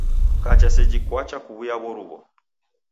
Kacha seji kwacha kwaw'uya w'oruw'o.